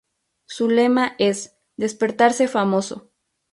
Su lema es: "¡Despertarse famoso!".